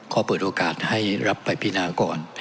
ขอเปิดโอกาสให้รับไปปีหน้าก่อน